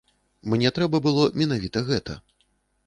Мне трэба было менавіта гэта.